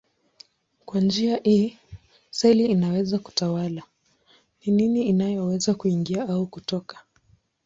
Kwa njia hii seli inaweza kutawala ni nini inayoweza kuingia au kutoka.